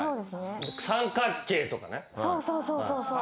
そうそうそうそうそう。